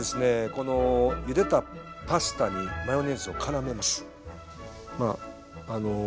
このゆでたパスタにマヨネーズをからめます。